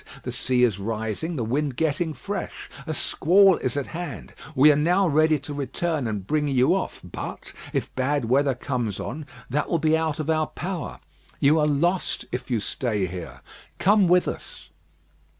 The sea is rising the wind getting fresh. A squall is at hand. We are now ready to return and bring you off; but if bad weather comes on, that will be out of our power. You are lost if you stay there. Come with us."